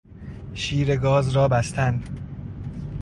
شیر گاز را بستن